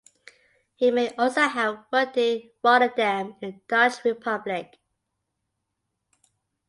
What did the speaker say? He may also have worked in Rotterdam in the Dutch Republic.